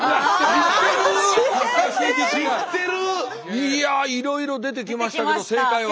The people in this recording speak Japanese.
いやいろいろ出てきましたけど正解は？